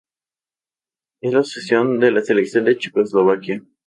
Es la sucesora de la selección de Checoslovaquia.